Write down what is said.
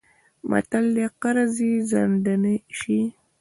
متل دی: قرض چې ځنډنی شی...